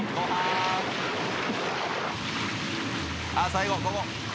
最後ここ。